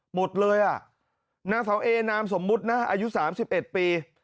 หมดเลยอ่ะนางสาวเอนามสมมุตินะอายุ๓๑ปี